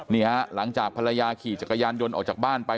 หลังจากภรรยาขี่จักรยานยนต์ออกจากบ้านไป